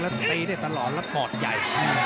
แล้วตีได้ตลอดแล้วปอดใหญ่